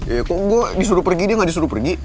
ya kok gue disuruh pergi dia gak disuruh pergi